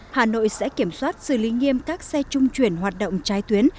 hà nội sẽ kiểm soát xử lý nghiêm các xe trung chuyển hoạt động trái tuyến